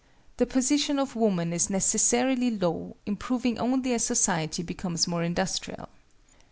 the position of woman is necessarily low, improving only as society becomes more industrial.